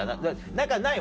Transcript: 何かない？